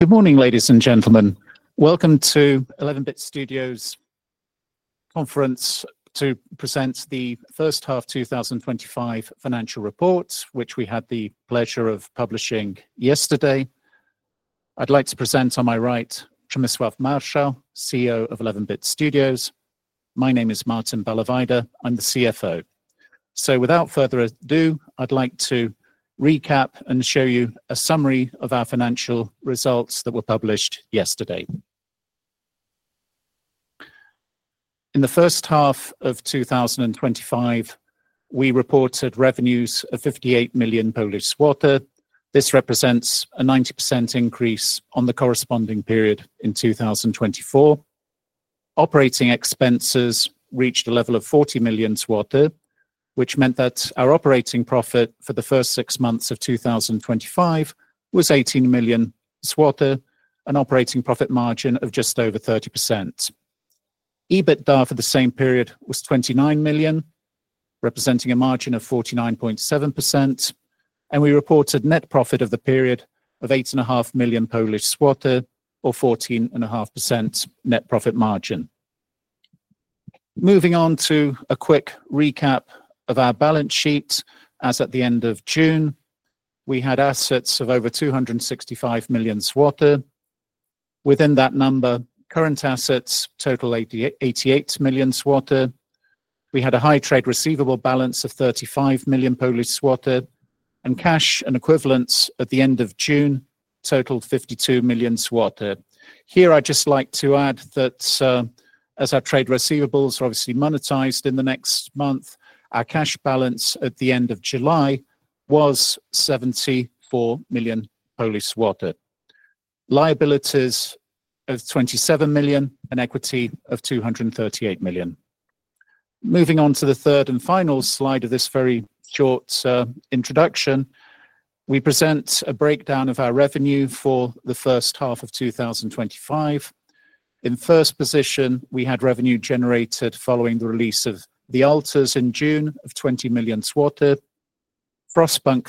Good morning, ladies and gentlemen. Welcome to 11 Bit Studios' Conference to Present the First Half 2025 Financial Reports, which we had the pleasure of publishing yesterday. I'd like to present on my right, Przemysław Marszał, CEO of 11 Bit Studios. My name is Martin Balawajder. I'm the CFO. Without further ado, I'd like to recap and show you a summary of our financial results that were published yesterday. In the first half of 2025, we reported revenues of 58 million. This represents a 90% increase on the corresponding period in 2024. Operating expenses reached a level of 40 million, which meant that our operating profit for the first six months of 2025 was 18 million, an operating profit margin of just over 30%. EBITDA for the same period was 29 million, representing a margin of 49.7%, and we reported net profit of the period of 8.5 million, or 14.5% net profit margin. Moving on to a quick recap of our balance sheet, as at the end of June, we had assets of over 265 million. Within that number, current assets totaled 88 million. We had a high trade receivable balance of 35 million, and cash and equivalents at the end of June totaled 52 million. Here I'd just like to add that, as our trade receivables are obviously monetized in the next month, our cash balance at the end of July was 74 million. Liabilities of 27 million and equity of 238 million. Moving on to the third and final slide of this very short introduction, we present a breakdown of our revenue for the first half of 2025. In first position, we had revenue generated following the release of The Alters in June of 20 million. Frostpunk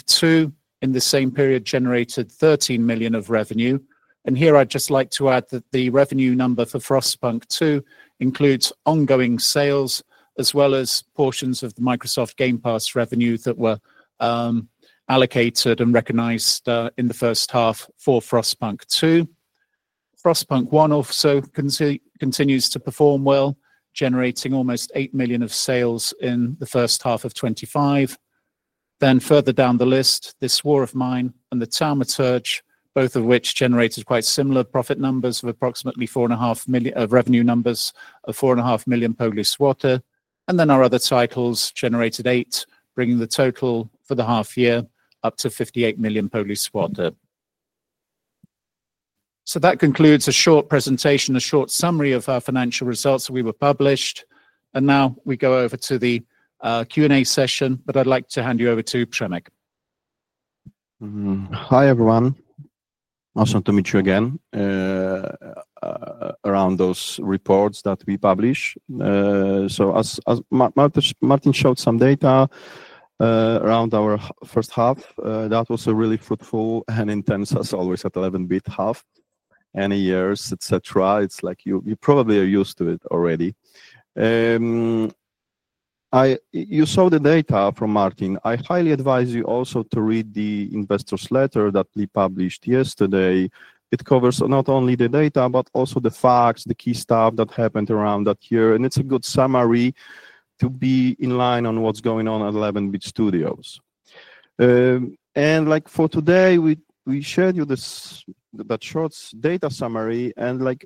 2 in the same period generated 13 million of revenue, and here I'd just like to add that the revenue number for Frostpunk 2 includes ongoing sales as well as portions of the Microsoft Game Pass revenue that were allocated and recognized in the first half for Frostpunk 2. Frostpunk 1 also continues to perform well, generating almost 8 million of sales in the first half of 2025. Further down the list, This War of Mine and the Thaumaturge, both of which generated quite similar revenue numbers of approximately 4.5 million, and then our other titles generated 8 million, bringing the total for the half year up to 58 million. That concludes a short presentation, a short summary of our financial results that we published, and now we go over to the Q&A session. I'd like to hand you over to Przemek. Hi, everyone. Awesome to meet you again around those reports that we published. As Martin showed some data around our first half, that was a really fruitful and intense, as always, at 11 Bit half, any years, etc. It's like you probably are used to it already. You saw the data from Martin. I highly advise you also to read the investor's letter that we published yesterday. It covers not only the data, but also the facts, the key stuff that happened around that year, and it's a good summary to be in line on what's going on at 11 Bit Studios. For today, we shared you that short data summary, and like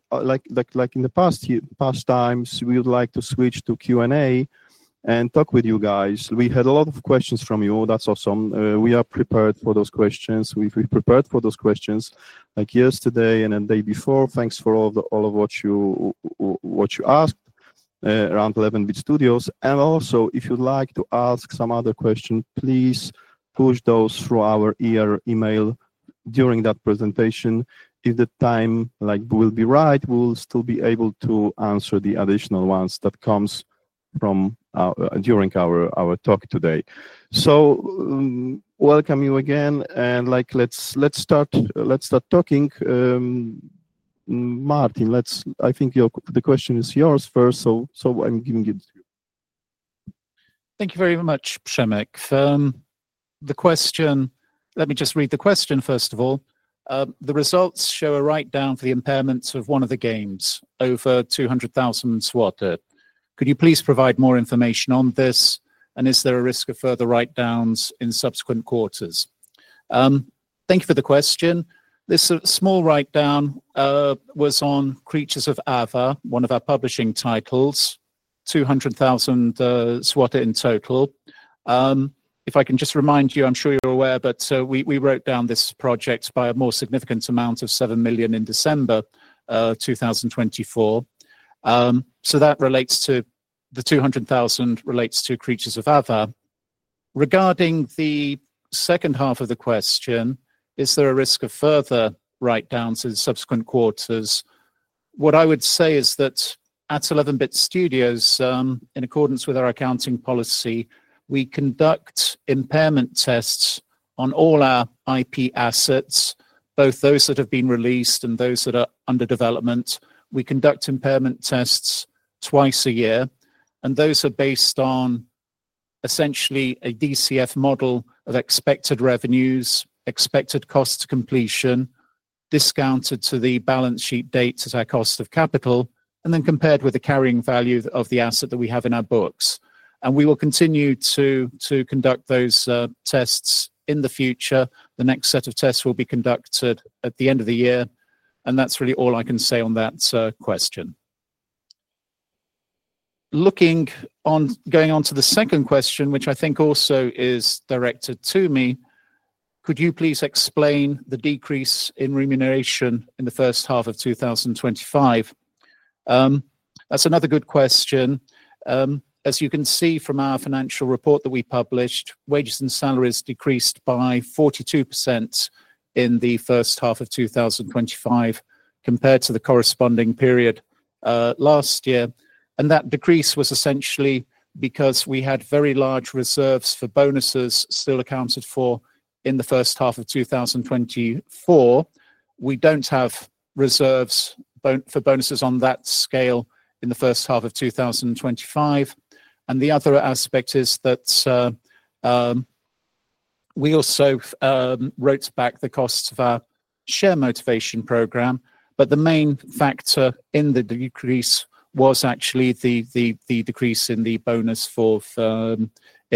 in the past times, we would like to switch to Q&A and talk with you guys. We had a lot of questions from you. That's awesome. We are prepared for those questions. We've prepared for those questions, like yesterday and the day before. Thanks for all of what you asked around 11 Bit Studios. Also, if you'd like to ask some other questions, please push those through our email during that presentation. If the time will be right, we'll still be able to answer the additional ones that come during our talk today. Welcome you again, and let's start talking. Martin, I think the question is yours first, so I'm giving it to you. Thank you very much, Przemek. The question, let me just read the question first of all. The results show a write-down for the impairments of one of the games over 200,000. Could you please provide more information on this, and is there a risk of further write-downs in subsequent quarters? Thank you for the question. This small write-down was on Creatures of Ava, one of our publishing titles, 200,000 in total. If I can just remind you, I'm sure you're aware, but we wrote down this project by a more significant amount of 7 million in December 2024. That relates to the 200,000, which relates to Creatures of Ava. Regarding the second half of the question, is there a risk of further write-downs in subsequent quarters? What I would say is that at 11 Bit Studios, in accordance with our accounting policy, we conduct impairment tests on all our IP assets, both those that have been released and those that are under development. We conduct impairment tests twice a year, and those are based on essentially a DCF model of expected revenues, expected cost to completion, discounted to the balance sheet dates at our cost of capital, and then compared with the carrying value of the asset that we have in our books. We will continue to conduct those tests in the future. The next set of tests will be conducted at the end of the year, and that's really all I can say on that question. Looking on, going on to the second question, which I think also is directed to me, could you please explain the decrease in remuneration in the first half of 2025? That's another good question. As you can see from our financial report that we published, wages and salaries decreased by 42% in the first half of 2025 compared to the corresponding period last year. That decrease was essentially because we had very large reserves for bonuses still accounted for in the first half of 2024. We don't have reserves for bonuses on that scale in the first half of 2025. The other aspect is that we also wrote back the cost of our share incentive program, but the main factor in the decrease was actually the decrease in the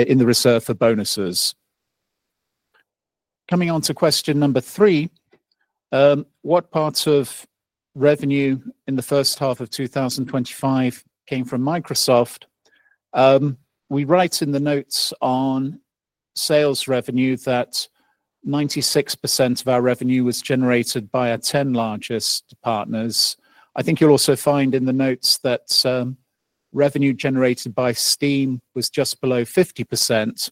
reserve for bonuses. Coming on to question number three, what parts of revenue in the first half of 2025 came from Microsoft? We write in the notes on sales revenue that 96% of our revenue was generated by our 10 largest partners. I think you'll also find in the notes that revenue generated by Steam was just below 50%.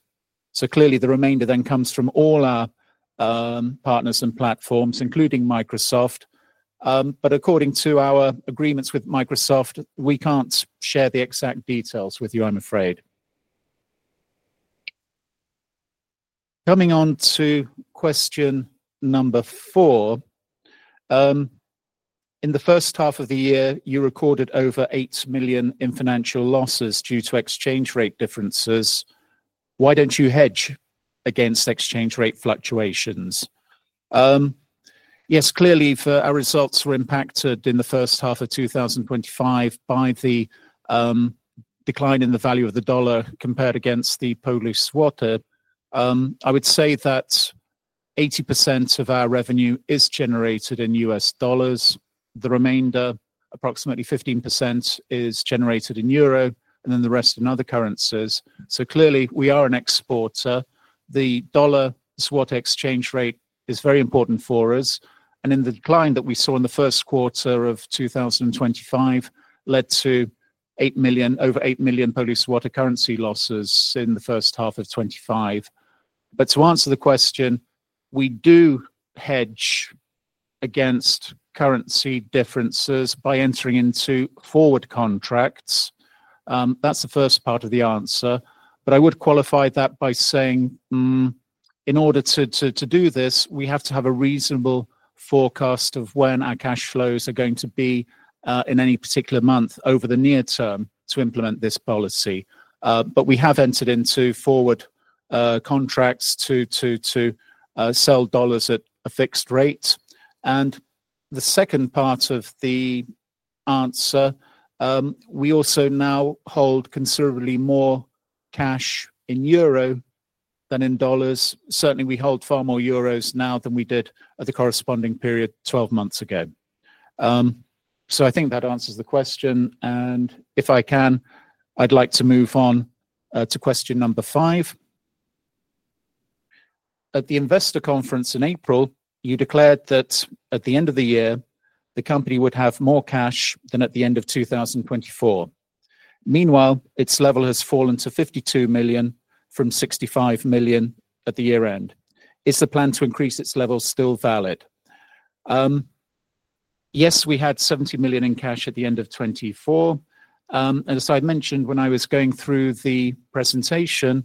Clearly, the remainder then comes from all our partners and platforms, including Microsoft. According to our agreements with Microsoft, we can't share the exact details with you, I'm afraid. Coming on to question number four. In the first half of the year, you recorded over 8 million in financial losses due to exchange rate differences. Why don't you hedge against exchange rate fluctuations? Yes, clearly, our results were impacted in the first half of 2025 by the decline in the value of the dollar compared against the Polish złotych. I would say that 80% of our revenue is generated in US dollars. The remainder, approximately 15%, is generated in euro, and then the rest in other currencies. Clearly, we are an exporter. The dollar-złotych exchange rate is very important for us. In the decline that we saw in the first quarter of 2025, it led to 8 million, over 8 million currency losses in the first half of 2025. To answer the question, we do hedge against currency differences by entering into forward contracts. That's the first part of the answer. I would qualify that by saying, in order to do this, we have to have a reasonable forecast of when our cash flows are going to be in any particular month over the near term to implement this policy. We have entered into forward contracts to sell dollars at a fixed rate. The second part of the answer, we also now hold considerably more cash in euro than in dollars. Certainly, we hold far more euros now than we did at the corresponding period 12 months ago. I think that answers the question. If I can, I'd like to move on to question number five. At the investor conference in April, you declared that at the end of the year, the company would have more cash than at the end of 2024. Meanwhile, its level has fallen to 52 million from 65 million at the year-end. Is the plan to increase its level still valid? Yes, we had 70 million in cash at the end of 2024. As I mentioned when I was going through the presentation,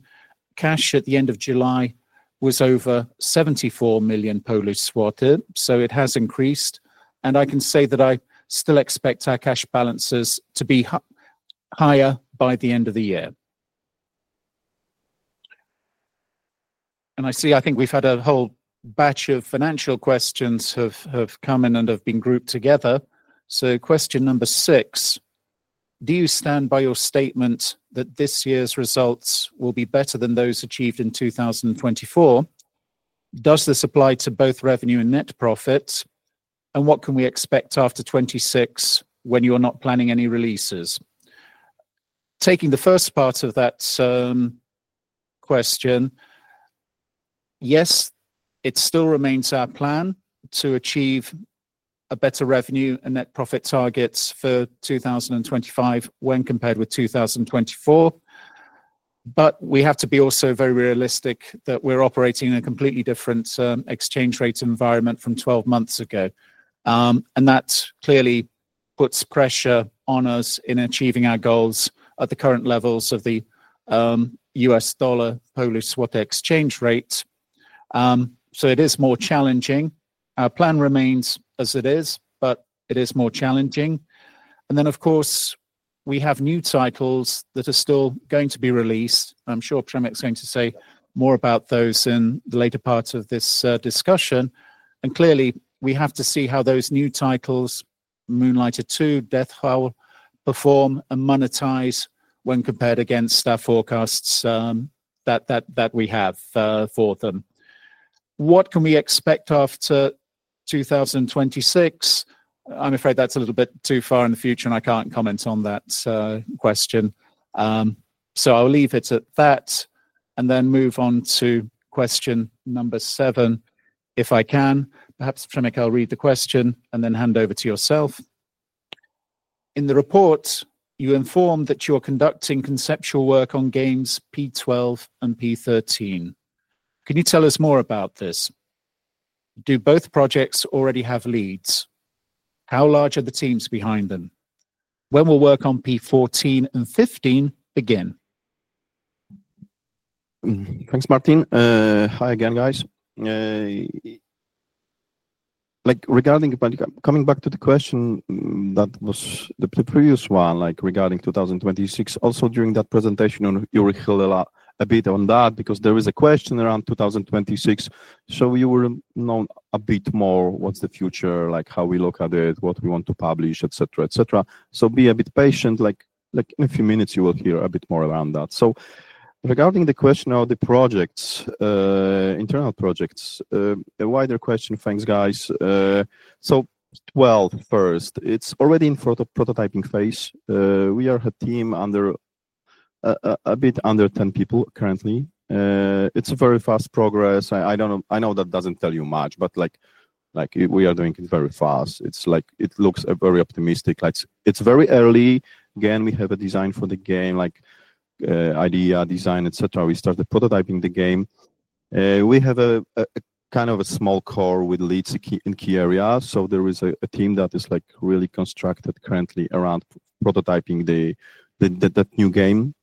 cash at the end of July was over 74 million, so it has increased. I can say that I still expect our cash balances to be higher by the end of the year. I see, I think we've had a whole batch of financial questions have come in and have been grouped together. Question number six. Do you stand by your statement that this year's results will be better than those achieved in 2024? Does this apply to both revenue and net profit? What can we expect after 2026 when you're not planning any releases? Taking the first part of that question, yes, it still remains our plan to achieve better revenue and net profit targets for 2025 when compared with 2024. We have to be also very realistic that we're operating in a completely different exchange rate environment from 12 months ago. That clearly puts pressure on us in achieving our goals at the current levels of the U.S. dollar Polish złotych exchange rate. It is more challenging. Our plan remains as it is, but it is more challenging. We have new titles that are still going to be released. I'm sure Przemysław is going to say more about those in the later part of this discussion. We have to see how those new titles, Moonlighter 2, Dead Hall, perform and monetize when compared against our forecasts that we have for them. What can we expect after 2026? I'm afraid that's a little bit too far in the future, and I can't comment on that question. I'll leave it at that and then move on to question number seven. If I can, perhaps Przemysław, I'll read the question and then hand over to yourself. In the report, you inform that you are conducting conceptual work on games P12 and P13. Can you tell us more about this? Do both projects already have leads? How large are the teams behind them? When will work on P14 and P15 begin? Thanks, Martin. Hi again, guys. Regarding coming back to the question that was the previous one, like regarding 2026, also during that presentation, you revealed a bit on that because there is a question around 2026. You will know a bit more what's the future, like how we look at it, what we want to publish, etc., etc. Be a bit patient. In a few minutes, you will hear a bit more around that. Regarding the question of the projects, internal projects, a wider question. Thanks, guys. First, it's already in the prototyping phase. We are a team a bit under 10 people currently. It's a very fast progress. I know that doesn't tell you much, but we are doing it very fast. It looks very optimistic. It's very early. Again, we have a design for the game, like idea, design, etc. We started prototyping the game. We have a kind of a small core with leads in key areas. There is a team that is really constructed currently around prototyping that new game.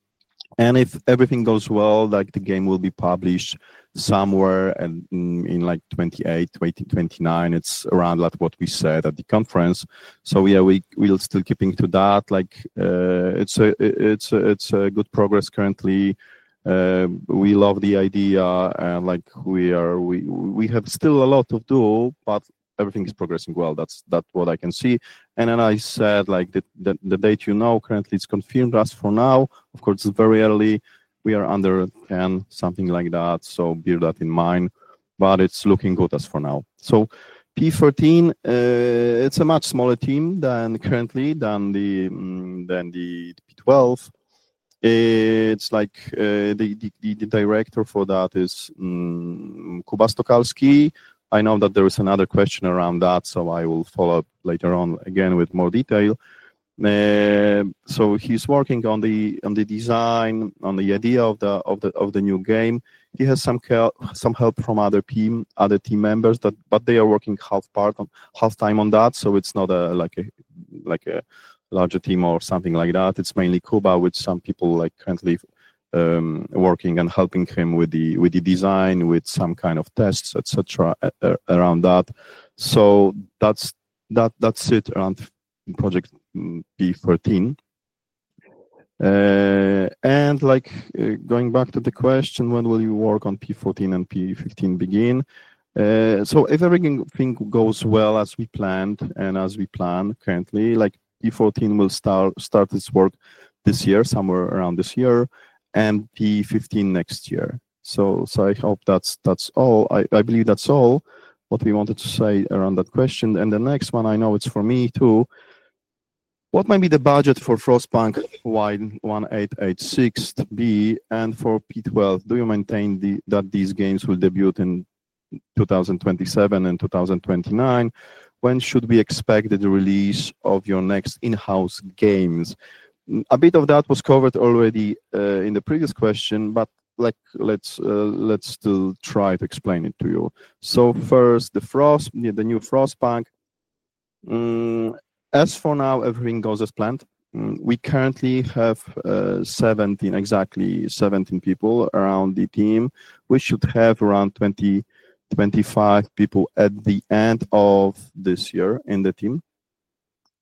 If everything goes well, the game will be published somewhere in 2028, 2029. It's around what we said at the conference. We're still keeping to that. It's a good progress currently. We love the idea. We have still a lot to do, but everything is progressing well. That's what I can see. The date you know currently is confirmed as for now. Of course, it's very early. We are under 10, something like that. Bear that in mind. It's looking good as for now. P13, it's a much smaller team currently than P12. The director for that is Kuba Stokalski. I know that there is another question around that, so I will follow up later on again with more detail. He's working on the design, on the idea of the new game. He has some help from other team members, but they are working half-time on that. It's not a larger team or something like that. It's mainly Kuba with some people currently working and helping him with the design, with some kind of tests, etc. around that. That's it around P 13. Going back to the question, when will work on P14 and P15 begin? If everything goes well as we planned and as we plan currently, P14 will start its work this year, somewhere around this year, and P15 next year. I hope that's all. I believe that's all we wanted to say around that question. The next one, I know it's for me too. What might be the budget for Frostpunk 1886 and for P12? Do you maintain that these games will debut in 2027 and 2029? When should we expect the release of your next in-house games? A bit of that was covered already in the previous question, but let's still try to explain it to you. First, the new Frostpunk. As for now, everything goes as planned. We currently have 17, exactly 17 people around the team. We should have around 20-25 people at the end of this year in the team,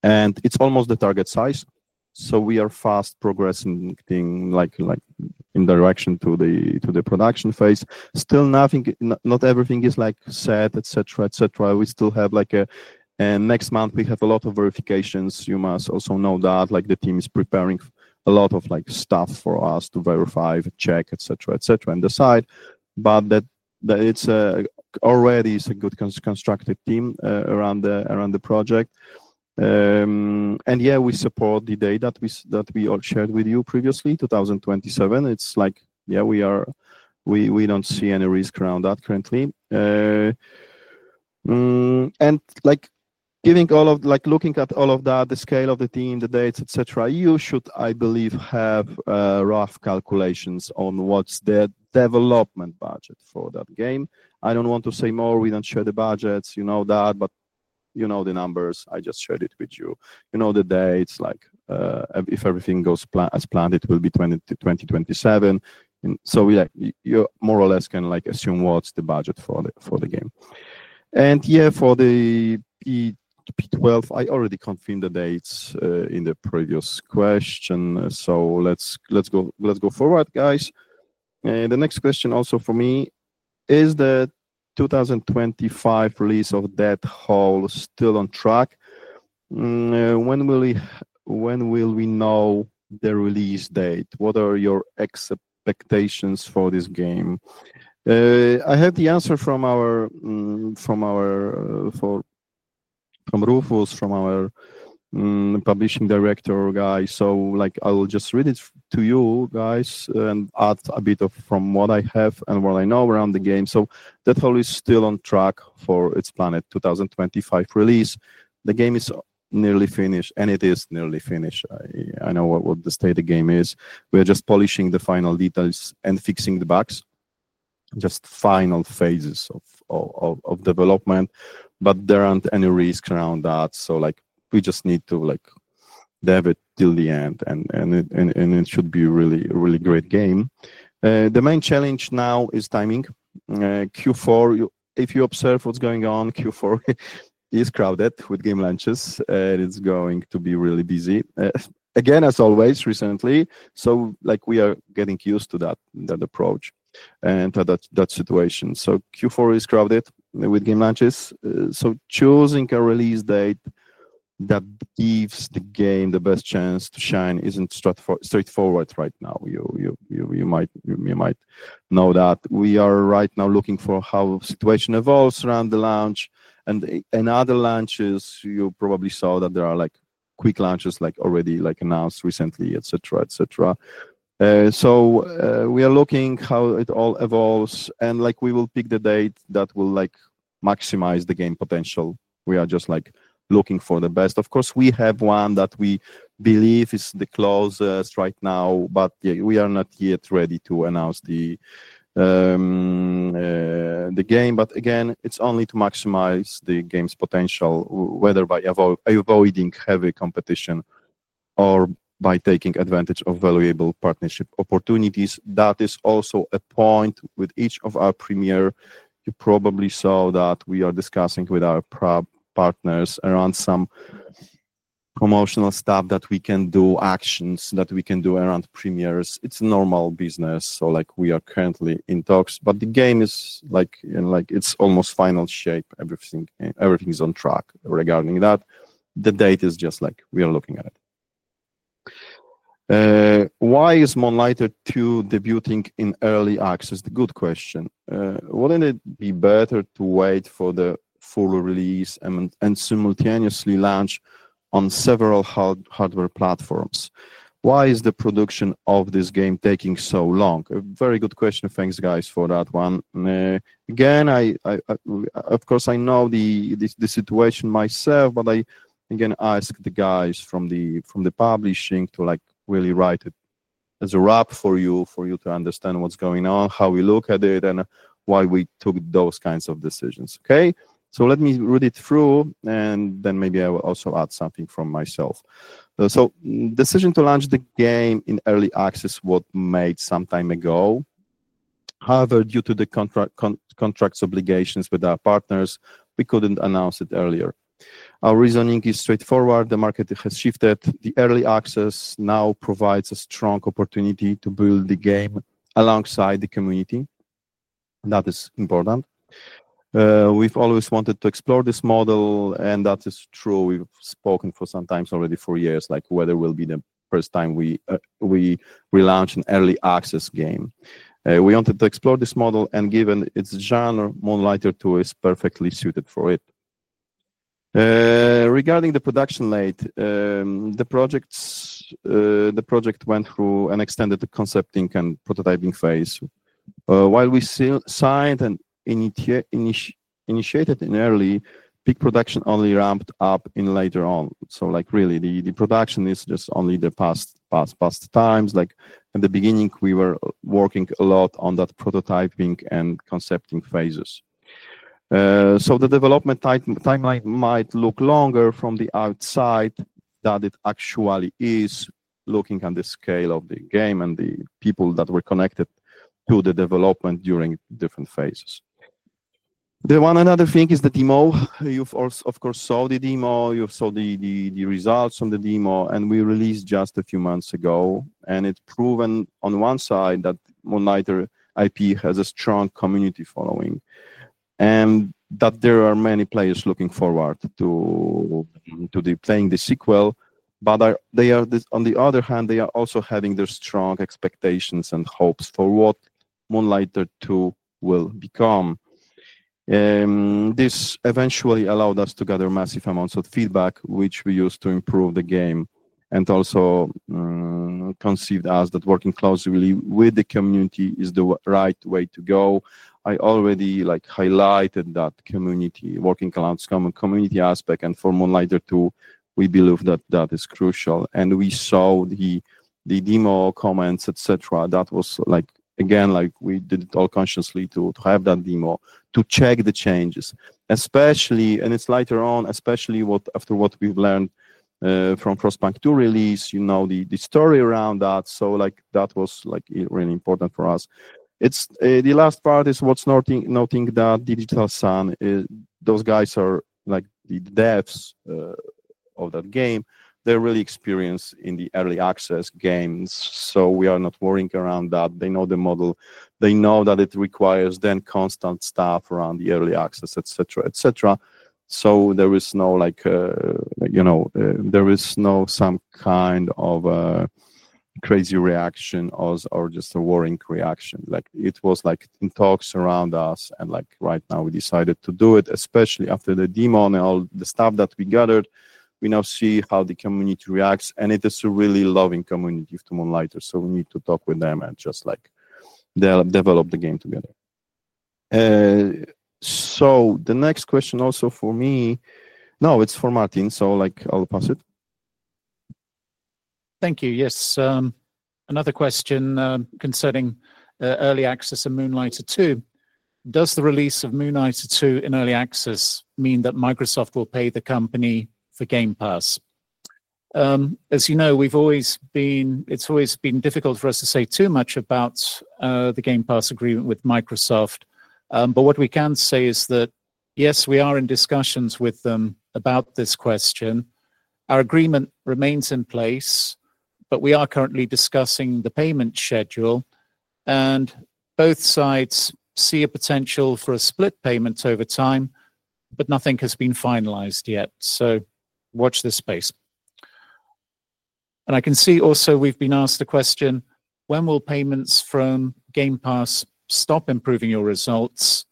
and it's almost the target size. We are fast progressing in direction to the production phase. Not everything is set, etc. We still have, like, next month, a lot of verifications. You must also know that the team is preparing a lot of stuff for us to verify, check, etc., and decide. It's already a good constructive team around the project. We support the data that we all shared with you previously, 2027. We don't see any risk around that currently. Looking at all of that, the scale of the team, the dates, etc., you should, I believe, have rough calculations on what's the development budget for that game. I don't want to say more. We don't share the budgets, you know that, but you know the numbers. I just shared it with you. You know the dates. If everything goes as planned, it will be 2027. You more or less can assume what's the budget for the game. For P12, I already confirmed the dates in the previous question. Let's go forward, guys. The next question also for me: Is the 2025 release of Dead Hall still on track? When will we know the release date? What are your expectations for this game? I have the answer from Rufus, from our Publishing Director. I'll just read it to you, guys, and add a bit from what I have and what I know around the game. Dead Hall is still on track for its planned 2025 release. The game is nearly finished. I know what the state of the game is. We are just polishing the final details and fixing the bugs. Just final phases of development, but there aren't any risks around that. We just need to dev it till the end, and it should be a really, really great game. The main challenge now is timing. Q4, if you observe what's going on, Q4 is crowded with game launches, and it's going to be really busy. Again, as always, recently. We are getting used to that approach and that situation. Q4 is crowded with game launches. Choosing a release date that gives the game the best chance to shine isn't straightforward right now. You might know that. We are right now looking for how the situation evolves around the launch and other launches. You probably saw that there are quick launches already announced recently, etc. We are looking at how it all evolves, and we will pick the date that will maximize the game potential. We are just looking for the best. Of course, we have one that we believe is the closest right now, but we are not yet ready to announce the game. It's only to maximize the game's potential, whether by avoiding heavy competition or by taking advantage of valuable partnership opportunities. That is also a point with each of our premieres. You probably saw that we are discussing with our partners around some promotional stuff that we can do, actions that we can do around premieres. It's a normal business. We are currently in talks, but the game is in its almost final shape. Everything is on track regarding that. The date is just something we are looking at. Why is Moonlighter 2 debuting in early access? Good question. Wouldn't it be better to wait for the full release and simultaneously launch on several hardware platforms? Why is the production of this game taking so long? A very good question. Thanks, guys, for that one. I know the situation myself, but I asked the guys from the publishing to really write it as a wrap for you, for you to understand what's going on, how we look at it, and why we took those kinds of decisions. Let me read it through, and then maybe I will also add something from myself. The decision to launch the game in early access was made some time ago. However, due to the contract's obligations with our partners, we couldn't announce it earlier. Our reasoning is straightforward. The market has shifted. Early access now provides a strong opportunity to build the game alongside the community. That is important. We've always wanted to explore this model, and that is true. We've spoken for some time, already for years, whether it will be the first time we relaunch an early access game. We wanted to explore this model, and given its genre, Moonlighter 2 is perfectly suited for it. Regarding the production late, the project went through an extended concepting and prototyping phase. While we signed and initiated in early, peak production only ramped up later on. Really, the production is just only the past times. At the beginning, we were working a lot on that prototyping and concepting phases. The development timeline might look longer from the outside than it actually is, looking at the scale of the game and the people that were connected to the development during different phases. The one other thing is the demo. You've also, of course, saw the demo. You saw the results from the demo, and we released just a few months ago. It's proven on one side that Moonlighter IP has a strong community following and that there are many players looking forward to playing the sequel. On the other hand, they are also having their strong expectations and hopes for what Moonlighter 2 will become. This eventually allowed us to gather massive amounts of feedback, which we used to improve the game and also convinced us that working closely with the community is the right way to go. I already highlighted that community working around the community aspect. For Moonlighter 2, we believe that is crucial. We saw the demo comments, etc. That was, again, we did it all consciously to have that demo, to check the changes, especially later on, especially after what we've learned from Frostpunk 2 release. You know the story around that. That was really important for us. The last part is worth noting that Digital Sun, those guys are the devs of that game. They're really experienced in the early access games. We are not worrying around that. They know the model. They know that it requires then constant stuff around the early access, etc. There is no kind of a crazy reaction or just a worrying reaction like it was in talks around us. Right now, we decided to do it, especially after the demo and all the stuff that we gathered. We now see how the community reacts. It is a really loving community of Moonlighters. We need to talk with them and just develop the game together. The next question also for me, no, it's for Martin. I'll pass it. Thank you. Yes. Another question concerning early access and Moonlighter 2. Does the release of Moonlighter 2 in early access mean that Microsoft will pay the company for Game Pass? As you know, we've always been, it's always been difficult for us to say too much about the Game Pass agreement with Microsoft. What we can say is that, yes, we are in discussions with them about this question. Our agreement remains in place, we are currently discussing the payment schedule, and both sides see a potential for a split payment over time, but nothing has been finalized yet. Watch this space. I can see also we've been asked the question, when will payments from Game Pass stop improving your results?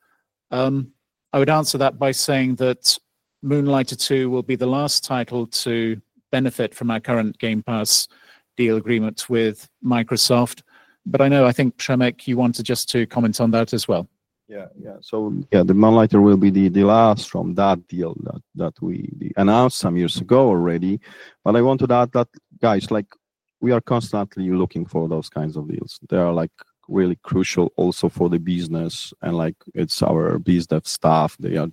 I would answer that by saying that Moonlighter 2 will be the last title to benefit from our current Game Pass deal agreement with Microsoft. I know, I think, Przemek, you wanted just to comment on that as well. Yeah, yeah. The Moonlighter will be the last from that deal that we announced some years ago already. I want to add that, guys, we are constantly looking for those kinds of deals. They are really crucial also for the business. It's our biz dev staff. They are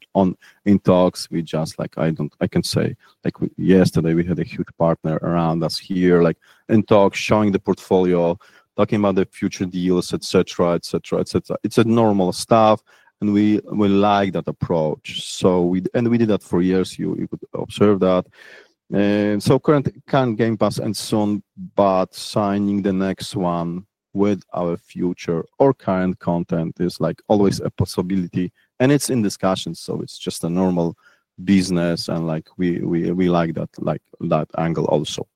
in talks. I can say, yesterday we had a huge partner around us here in talks, showing the portfolio, talking about the future deals, etc. It's normal stuff. We like that approach. We did that for years. You would observe that. Current Game Pass and soon, but signing the next one with our future or current content is always a possibility. It's in discussion. It's just normal business. We like that angle also.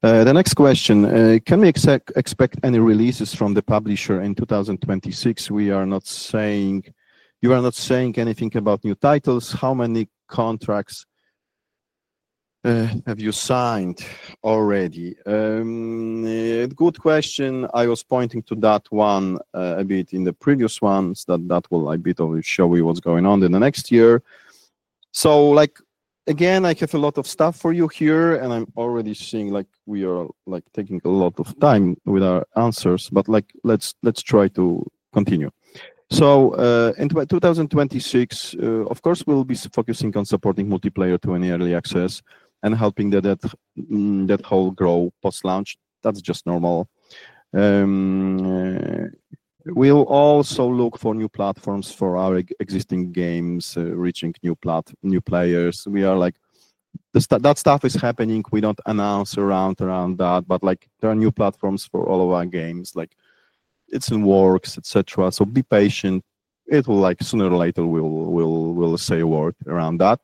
The next question, can we expect any releases from the publisher in 2026? We are not saying, you are not saying anything about new titles. How many contracts have you signed already? Good question. I was pointing to that one a bit in the previous ones. That will only show you what's going on in the next year. Again, I have a lot of stuff for you here. I'm already seeing we are taking a lot of time with our answers, but let's try to continue. In 2026, of course, we'll be focusing on supporting multiplayer to an early access and helping that whole grow post-launch. That's just normal. We'll also look for new platforms for our existing games, reaching new players. That stuff is happening. We don't announce around that, but there are new platforms for all of our games. It's in works. Be patient. Sooner or later, we'll say work around that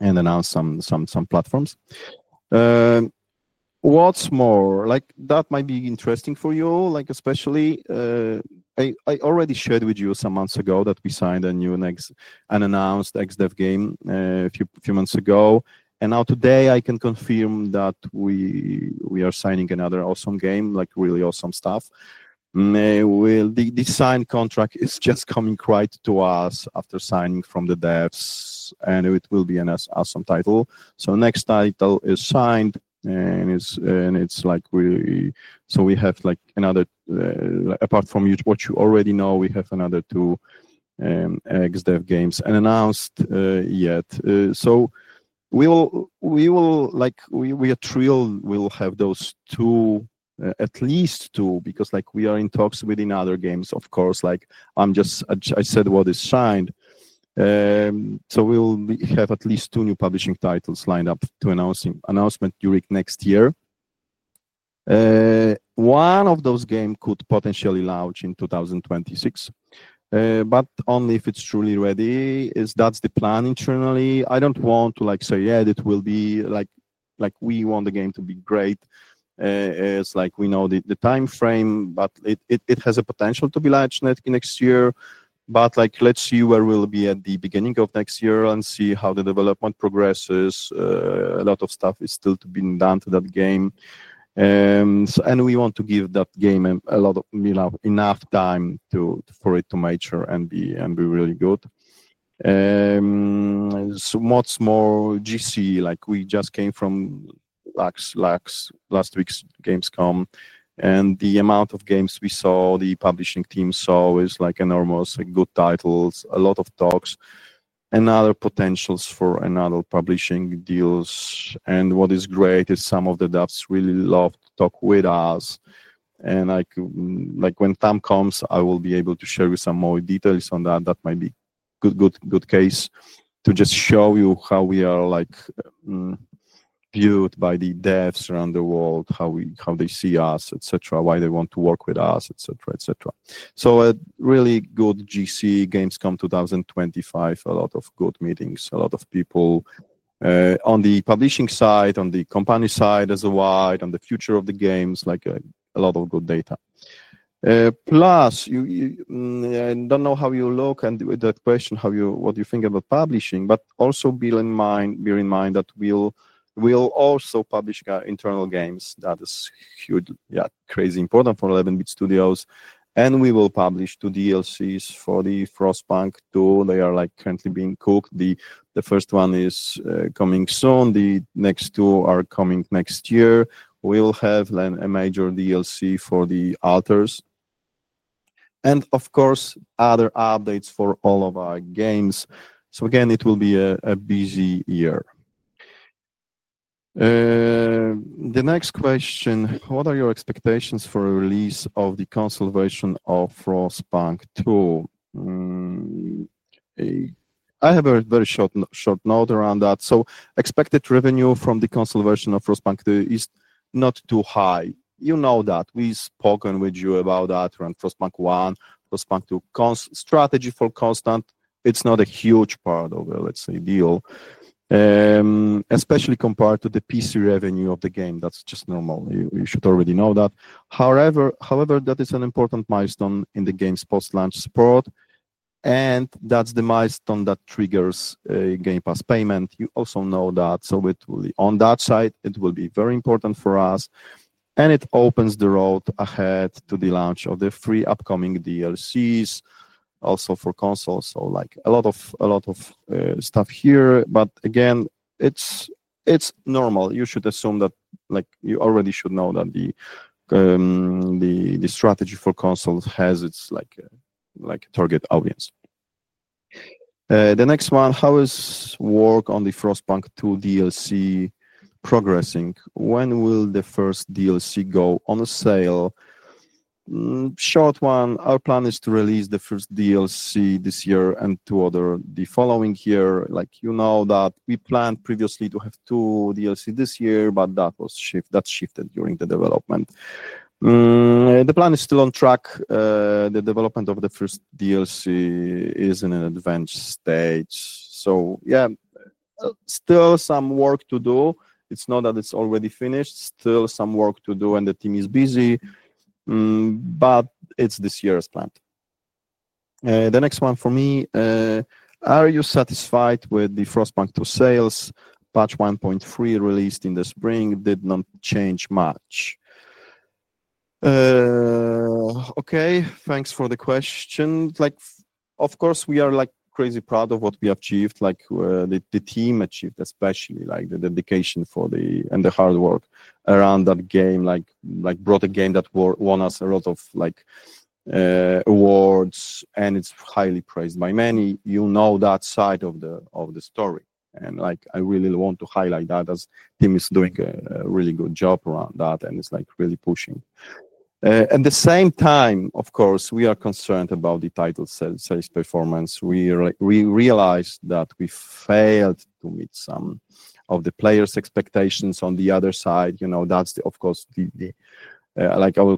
and announce some platforms. What's more, that might be interesting for you all, especially. I already shared with you some months ago that we signed a new and announced XDEV game a few months ago. Now today, I can confirm that we are signing another awesome game, really awesome stuff. The signed contract is just coming right to us after signing from the devs, and it will be an awesome title. Next title is signed. We have another, apart from what you already know, we have another two XDEV games unannounced yet. We are thrilled we'll have those two, at least two, because we are in talks with other games, of course. I said what is signed. We will have at least two new publishing titles lined up to announce during next year. One of those games could potentially launch in 2026, but only if it's truly ready. That's the plan internally. I don't want to say, yeah, it will be, like, we want the game to be great. We know the time frame, but it has the potential to be launched next year. Let's see where we'll be at the beginning of next year and see how the development progresses. A lot of stuff is still to be done to that game, and we want to give that game enough time for it to mature and be really good. What's more, GC, we just came from last week's Gamescom, and the amount of games we saw, the publishing team saw, is enormous. Good titles, a lot of talks, and other potentials for another publishing deals. What is great is some of the devs really love to talk with us. When time comes, I will be able to share some more details on that. That might be a good case to just show you how we are viewed by the devs around the world, how they see us, why they want to work with us, etc. A really good GC Gamescom 2025, a lot of good meetings, a lot of people on the publishing side, on the company side as well, on the future of the games, a lot of good data. I don't know how you look with that question, what you think about publishing, but also bear in mind that we'll also publish internal games. That is huge, crazy important for 11 Bit Studios. We will publish two DLCs for Frostpunk 2. They are currently being cooked. The first one is coming soon. The next two are coming next year. We'll have a major DLC for The Alters, and of course, other updates for all of our games. It will be a busy year. The next question, what are your expectations for the release of the console version of Frostpunk 2? I have a very short note around that. Expected revenue from the console version of Frostpunk 2 is not too high. You know that. We've spoken with you about that around Frostpunk 1, Frostpunk 2 strategy for console. It's not a huge part of the deal, especially compared to the PC revenue of the game. That's just normal. You should already know that. However, that is an important milestone in the game's post-launch support, and that's the milestone that triggers Game Pass payment. You also know that. On that side, it will be very important for us. It opens the road ahead to the launch of the three upcoming DLCs, also for consoles. A lot of stuff here. Again, it's normal. You should assume that you already should know that the strategy for consoles has its target audience. The next one, how is work on the Frostpunk 2 DLC progressing? When will the first DLC go on sale? Short one, our plan is to release the first DLC this year and two others the following year. You know that we planned previously to have two DLCs this year, but that was shifted during the development. The plan is still on track. The development of the first DLC is in an advanced stage. Still some work to do. It's not that it's already finished. Still some work to do and the team is busy, but it's this year's plan. The next one for me, are you satisfied with the Frostpunk 2 sales? Patch 1.3 released in the spring did not change much. Okay, thanks for the question. Of course, we are crazy proud of what we have achieved, the team achieved, especially the dedication and the hard work around that game brought a game that won us a lot of awards and it's highly praised by many. You know that side of the story. I really want to highlight that as the team is doing a really good job around that and it's really pushing. At the same time, of course, we are concerned about the title sales performance. We realized that we failed to meet some of the players' expectations on the other side. I will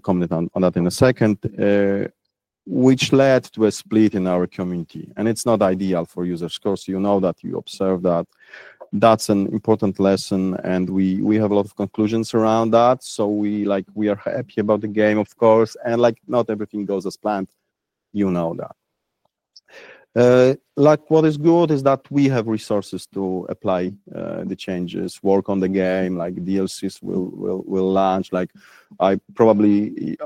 comment on that in a second, which led to a split in our community. It's not ideal for users. You know that, you observe that. That's an important lesson and we have a lot of conclusions around that. We are happy about the game, of course, and not everything goes as planned. You know that. What is good is that we have resources to apply the changes, work on the game, DLCs will launch. I probably,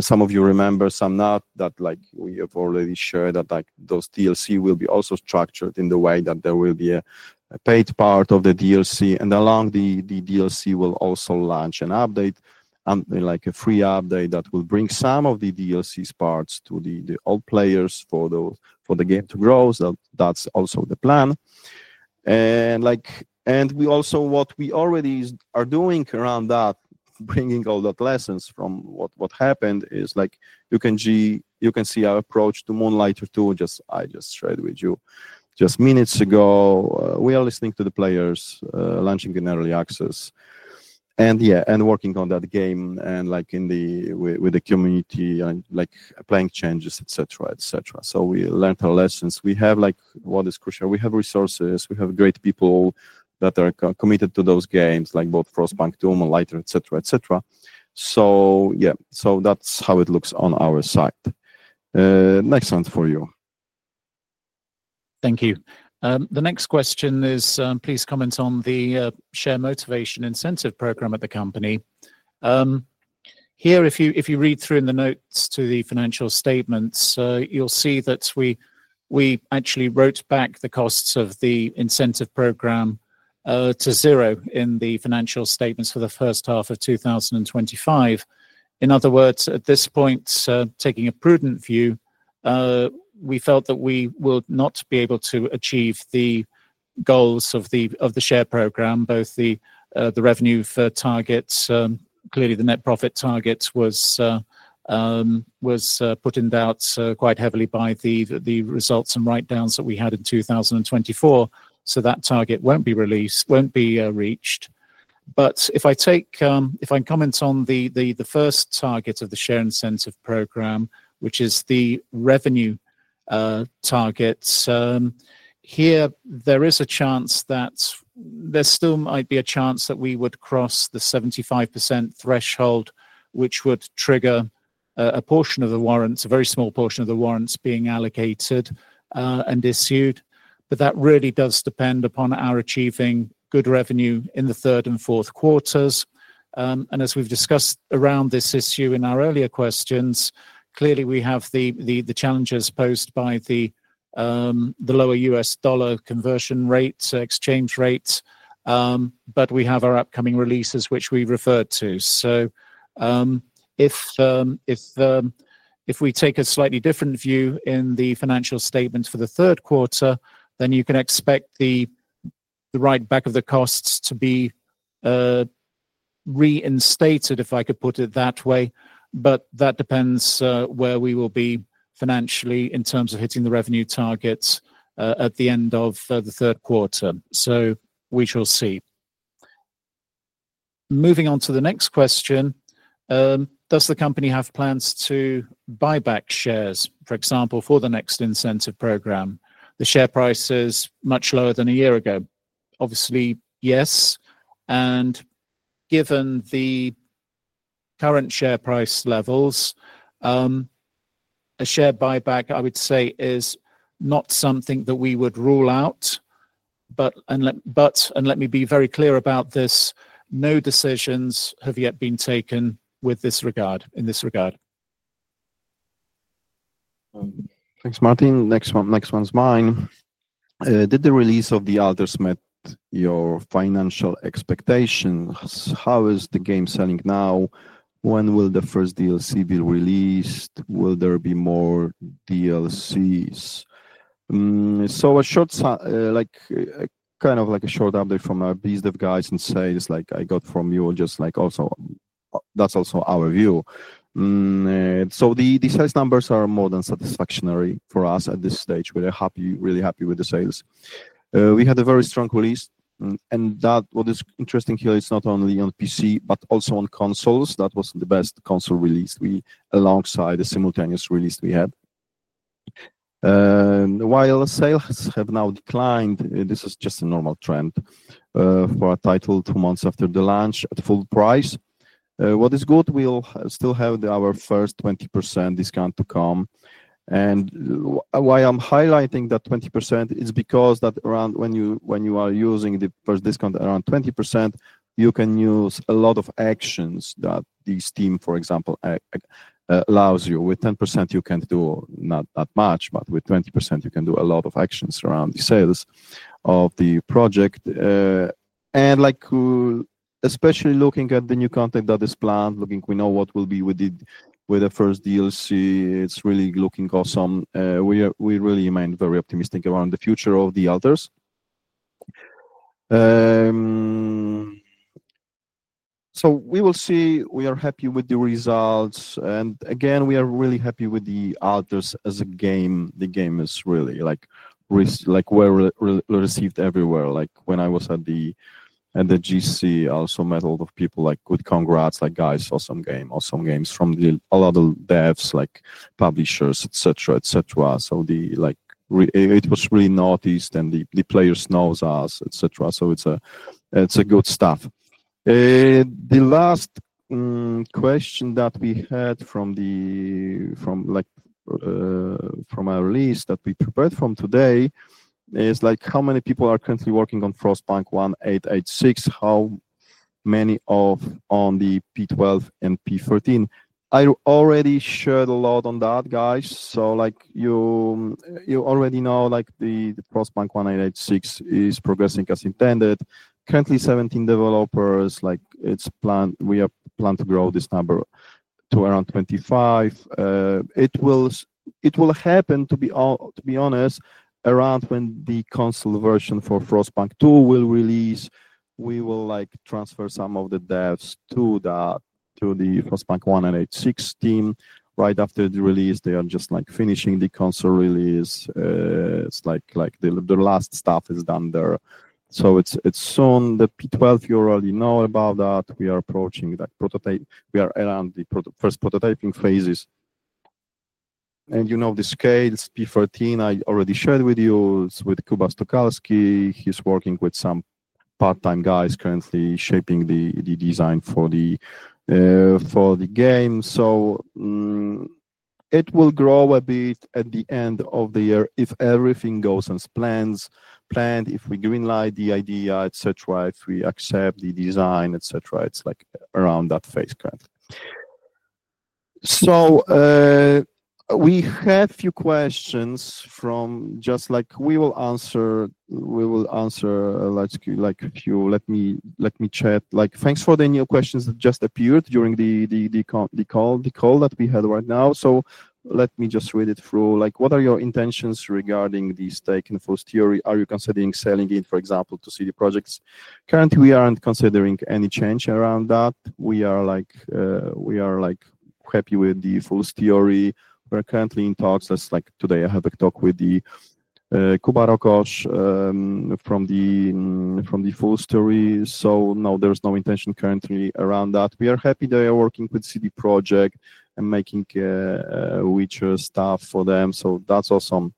some of you remember, some not, that we have already shared that those DLCs will be also structured in the way that there will be a paid part of the DLC and along the DLC will also launch an update, a free update that will bring some of the DLCs parts to the old players for the game to grow. That's also the plan. We also, what we already are doing around that, bringing all the lessons from what happened, you can see our approach to Moonlighter 2. I just shared with you just minutes ago. We are listening to the players, launching in early access, and working on that game with the community and playing changes, etc., etc. We learned our lessons. What is crucial, we have resources. We have great people that are committed to those games, like both Frostpunk 2, Moonlighter, etc., etc. That's how it looks on our side. Next one for you. Thank you. The next question is, please comment on the share motivation incentive program at the company. Here, if you read through in the notes to the financial statements, you'll see that we actually wrote back the costs of the incentive program to zero in the financial statements for the first half of 2025. In other words, at this point, taking a prudent view, we felt that we would not be able to achieve the goals of the share program. Both the revenue targets, clearly the net profit targets, were put in doubt quite heavily by the results and write-downs that we had in 2024. That target won't be reached. If I comment on the first target of the share incentive program, which is the revenue targets, here there is a chance that there still might be a chance that we would cross the 75% threshold, which would trigger a portion of the warrants, a very small portion of the warrants being allocated and issued. That really does depend upon our achieving good revenue in the third and fourth quarters. As we've discussed around this issue in our earlier questions, clearly we have the challenges posed by the lower US dollar conversion rates, exchange rates. We have our upcoming releases, which we referred to. If we take a slightly different view in the financial statements for the third quarter, then you can expect the write-back of the costs to be reinstated, if I could put it that way. That depends where we will be financially in terms of hitting the revenue targets at the end of the third quarter. We shall see. Moving on to the next question, does the company have plans to buy back shares, for example, for the next incentive program? The share price is much lower than a year ago. Obviously, yes. Given the current share price levels, a share buyback, I would say, is not something that we would rule out. Let me be very clear about this, no decisions have yet been taken in this regard. Thanks, Martin. Next one, next one's mine. Did the release of The Alters meet your financial expectations? How is the game selling now? When will the first DLC be released? Will there be more DLCs? A short, like kind of like a short update from our biz dev guys and says, like I got from you, or just like also, that's also our view. The sales numbers are more than satisfactory for us at this stage. We're really happy with the sales. We had a very strong release. What is interesting here is not only on PC, but also on consoles. That was the best console release, alongside the simultaneous release we had. While sales have now declined, this is just a normal trend for a title two months after the launch at full price. What is good, we'll still have our first 20% discount to come. Why I'm highlighting that 20% is because that around when you are using the first discount, around 20%, you can use a lot of actions that Steam, for example, allows you. With 10%, you can do not that much, but with 20%, you can do a lot of actions around the sales of the project. Especially looking at the new content that is planned, looking, we know what will be with the first DLC. It's really looking awesome. We really remain very optimistic around the future of The Alters. We will see. We are happy with the results. Again, we are really happy with The Alters as a game. The game is really like we're received everywhere. Like when I was at the GC, I also met a lot of people with congrats, like guys, awesome game, awesome games from a lot of devs, like publishers, etc., etc. It was really noticed and the players know us, etc. It's good stuff. The last question that we had from our list that we prepared from today is how many people are currently working on Frostpunk 1886? How many on the P12 and P13? I already shared a lot on that, guys. You already know Frostpunk 1886 is progressing as intended. Currently, 17 developers. It's planned. We are planning to grow this number to around 25. It will happen, to be honest, around when the console version for Frostpunk 2 will release. We will transfer some of the devs to the Frostpunk 1886 team right after the release. They are just finishing the console release. The last stuff is done there. It's soon. The P12, you already know about that. We are approaching that prototype. We are around the first prototyping phases. You know the scales, Project 13, I already shared with you with Kuba Stokalski. He's working with some part-time guys currently shaping the design for the game. It will grow a bit at the end of the year if everything goes as planned. If we greenlight the idea, if we accept the design, it's like around that phase currently. We have a few questions we will answer. Thanks for the new questions that just appeared during the call that we had right now. Let me just read it through. What are your intentions regarding the stake in Fool’s Theory? Are you considering selling it, for example, to CD Projekts? Currently, we aren't considering any change around that. We are happy with Fool’s Theory. We're currently in talks. Today I had a talk with Kuba Rakosh from Fool’s Theory. No, there's no intention currently around that. We are happy they are working with CD Projekts and making a witch's staff for them. That's awesome.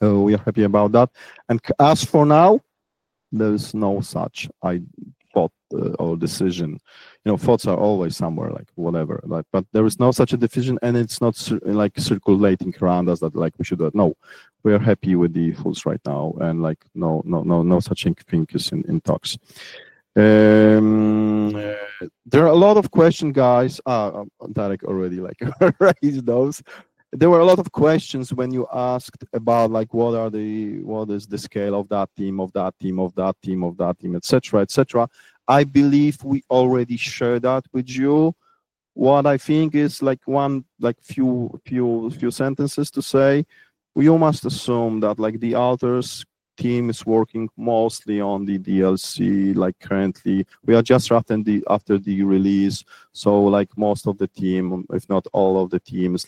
We are happy about that. As for now, there is no such thought or decision. Thoughts are always somewhere, but there is no such a decision and it's not circulating around us that we should do it. No, we are happy with Fool’s right now. No such thing is in talks. There are a lot of questions, guys. Derek already raised those. There were a lot of questions when you asked about what is the scale of that team, of that team, of that team, etc. I believe we already shared that with you. What I think is a few sentences to say. We almost assume that The Alters team is working mostly on the DLC. Currently, we are just after the release. Most of the team, if not all of the team, is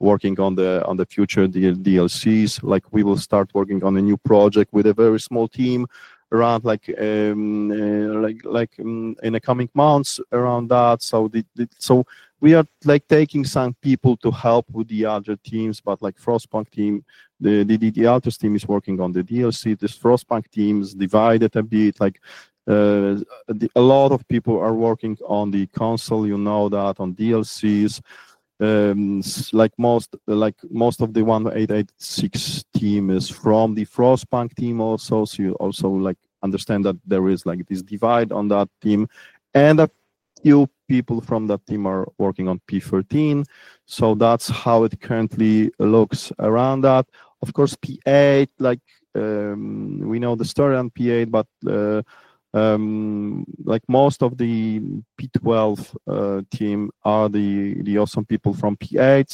working on the future DLCs. We will start working on a new project with a very small team in the coming months around that. We are taking some people to help with The Alters teams. The Frostpunk team, The Alters team is working on the DLC. The Frostpunk team is divided a bit. A lot of people are working on the console, on DLCs. Most of the 1886 team is from the Frostpunk team also. You also understand that there is this divide on that team. A few people from that team are working on P13. That's how it currently looks around that. Of course, P8, we know the story on P8, but most of the P12 team are the awesome people from P8.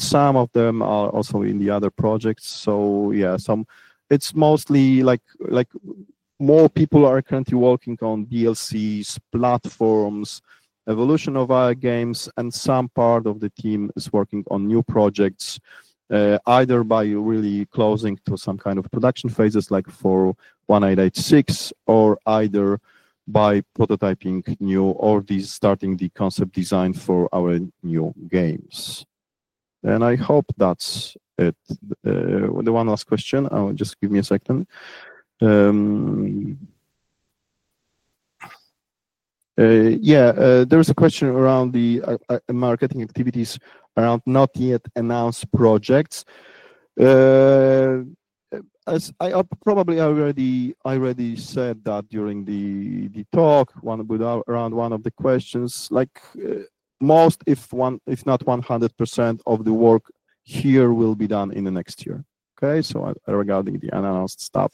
Some of them are also in the other projects. It's mostly that more people are currently working on DLCs, platforms, evolution of our games, and some part of the team is working on new projects, either by really closing to some kind of production phases like for 1886 or by prototyping new or starting the concept design for our new games. I hope that's it. One last question, just give me a second. There is a question around the marketing activities around not yet announced projects. I probably already said that during the talk around one of the questions. Most, if not 100%, of the work here will be done in the next year. Regarding the announced stuff,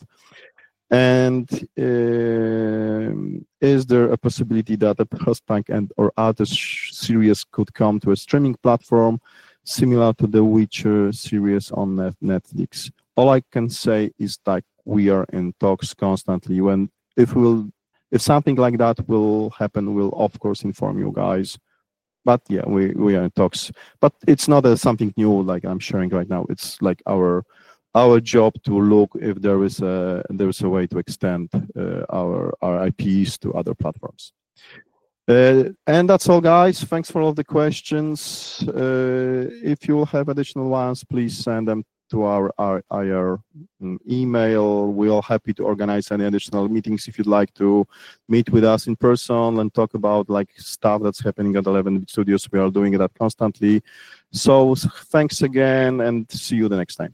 is there a possibility that Frostpunk and/or The Alters series could come to a streaming platform similar to The Witcher series on Netflix? All I can say is we are in talks constantly. If something like that will happen, we'll of course inform you guys. We are in talks, but it's not something new I'm sharing right now. It's our job to look if there is a way to extend our IPs to other platforms. That's all, guys. Thanks for all the questions. If you have additional ones, please send them to our email. We're happy to organize any additional meetings if you'd like to meet with us in person and talk about stuff that's happening at 11 Bit Studios. We are doing that constantly. Thanks again and see you the next time.